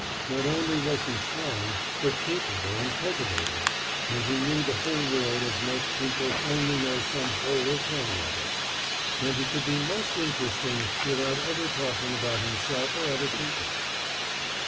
Not only was he strong, but capable and cultivated; and he knew the whole world as most people only knew some hole or corner of it; and could be most interesting without ever talking about himself or other people.